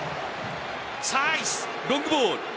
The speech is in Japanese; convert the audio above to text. サイス、ロングボール。